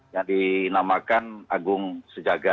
yang dinamakan agung sejaga